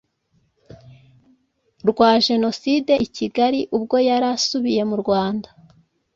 rwa jenoside i Kigali ubwo yari asubiye mu Rwanda